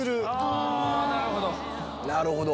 なるほど。